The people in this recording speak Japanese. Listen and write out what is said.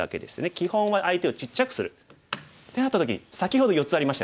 基本は相手をちっちゃくする。ってなった時に先ほど４つありましたよね。